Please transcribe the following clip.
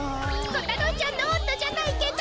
コタロウちゃんのおんどじゃないけど。